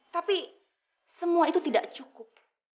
tapi semua itu tidak cukup